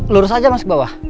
lurus aja mas ke bawah